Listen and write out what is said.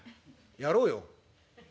「やろうよ」。